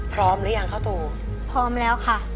พร้อมหรือยังข้าวตูพร้อมแล้วค่ะ